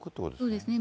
そうですね。